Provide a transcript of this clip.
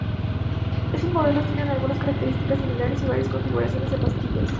Estos modelos tienen algunas características similares y varios configuraciones de pastillas.